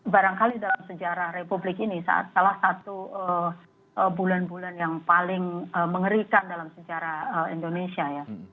barangkali dalam sejarah republik ini salah satu bulan bulan yang paling mengerikan dalam sejarah indonesia ya